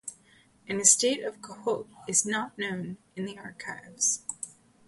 An estate of Kohut is not known in the archives.